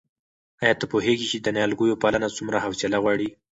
آیا ته پوهېږې چې د نیالګیو پالنه څومره حوصله غواړي؟